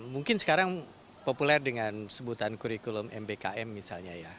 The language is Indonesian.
mungkin sekarang populer dengan sebutan kurikulum mbkm misalnya ya